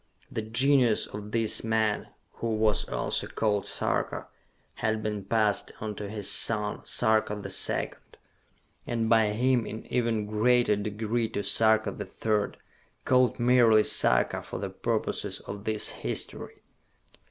The genius of this man, who was also called Sarka, had been passed on to his son, Sarka the Second, and by him in even greater degree to Sarka the Third ... called merely Sarka for the purposes of this history.